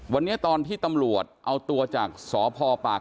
วันนี้ตอนที่ตำรวจเอาตัวจากสพปาก